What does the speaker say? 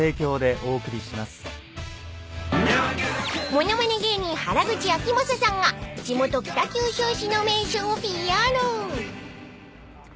［物まね芸人原口あきまささんが地元北九州市の名所をＰＲ］